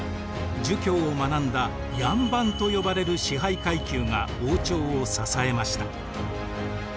儒教を学んだ両班と呼ばれる支配階級が王朝を支えました。